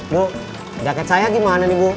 bu dapet saya gimana nih bu